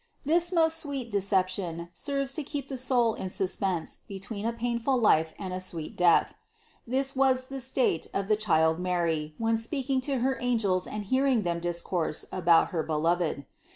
This most sweet deception serves to keep the soul in suspense between a painful life and a sweet death. This was the state of the child Mary, when speaking to her angels and hearing them discourse about her Beloved.